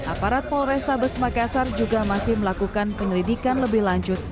aparat polrestabes makassar juga masih melakukan penyelidikan lebih lanjut